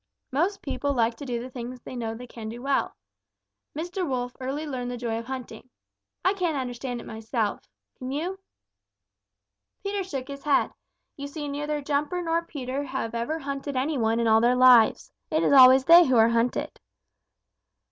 "Most people like to do the things they know they can do well. Mr. Wolf early learned the joy of hunting. I can't understand it myself. Can you?" Peter shook his head. You see neither Jumper nor Peter ever have hunted any one in all their lives. It is always they who are hunted.